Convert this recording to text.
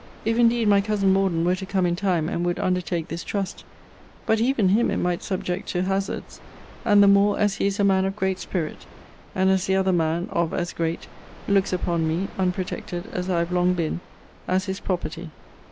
If indeed my cousin Morden were to come in time, and would undertake this trust but even him it might subject to hazards; and the more, as he is a man of great spirit; and as the other man (of as great) looks upon me (unprotected as I have long been) as his property.